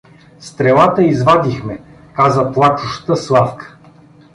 — Стрелата извадихме — каза плачуща Славка.